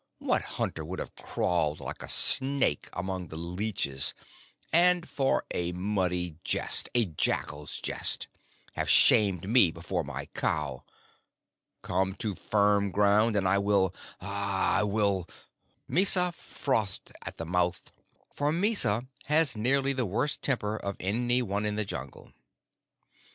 What hunter would have crawled like a snake among the leeches, and for a muddy jest a jackal's jest have shamed me before my cow? Come to firm ground, and I will I will...." Mysa frothed at the mouth, for Mysa has nearly the worst temper of any one in the Jungle.